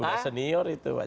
pak joko udah senior itu